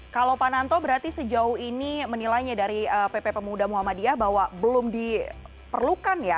kalau pak nanto berarti sejauh ini menilainya dari pp pemuda muhammadiyah bahwa belum diperlukan ya